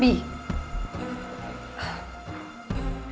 biar bobby aja bisa